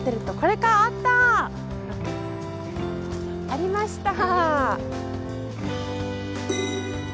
ありました。